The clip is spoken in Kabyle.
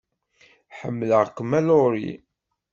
Ḥemmleɣ-kem a Laurie.